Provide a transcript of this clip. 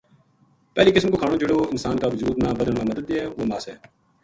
پہلی قسم کو کھانو جہڑو انسان کا اُجود نا بدھن ما مدد دیئے وہ ماس ہے۔